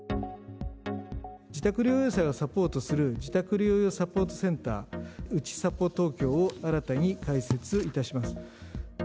自宅療養者をサポートする自宅療養サポートセンター、うちさぽ東京を新たに開設いたします。